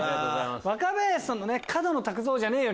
若林さんの「角野卓造じゃねえよ」